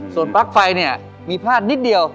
ส่วนปลั๊กไฟเนี่ยมีพลาดนิดเดียว